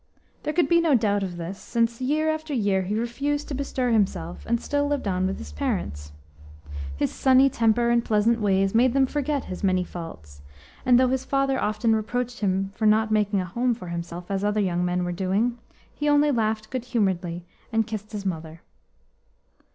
There could be no doubt of this, since year after year he refused to bestir himself, and still lived on with his parents. His sunny temper and pleasant ways made them forget his many faults, and though his father often reproached him for not making a home for himself, as other young men were doing, he only laughed good humouredly, and kissed his mother.